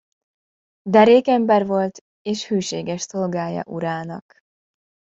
Derék ember volt és hűséges szolgája urának.